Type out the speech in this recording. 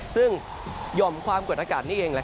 ซึ่งหย่อมความกดอากาศนี่เอง